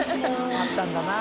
あったんだな。